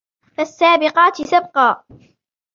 فَالسَّابِقَاتِ سَبْقًا